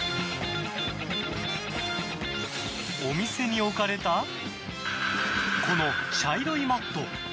お店に置かれたこの茶色いマット。